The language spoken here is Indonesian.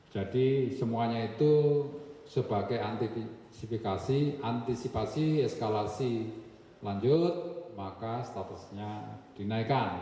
jadi semuanya itu sebagai antisipasi eskalasi lanjut maka statusnya dinaikkan